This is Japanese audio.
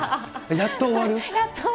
やっと終わる？